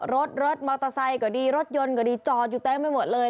รถรถมอเตอร์ไซค์ก็ดีรถยนต์ก็ดีจอดอยู่เต็มไปหมดเลย